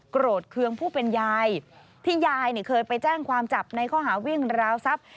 โกรธเคืองผู้เป็นยายที่ยายเคยไปแจ้งความจับในข้อหาวิ่งราวทรัพย์